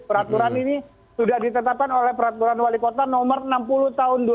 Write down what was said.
peraturan ini sudah ditetapkan oleh peraturan wali kota nomor enam puluh tahun dua ribu dua